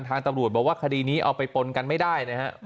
ตำรวจบอกว่าคดีนี้เอาไปปนกันไม่ได้นะฮะ